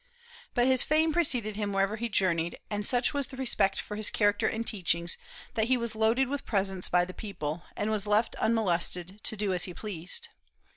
But his fame preceded him wherever he journeyed, and such was the respect for his character and teachings that he was loaded with presents by the people, and was left unmolested to do as he pleased.